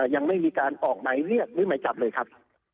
ยังไม่มีการออกหมายเรียกหรือหมายจับเลยครับ